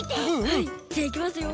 はいじゃあいきますよ。